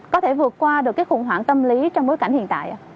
có thể vượt qua được cái khủng hoảng tâm lý trong bối cảnh hiện tại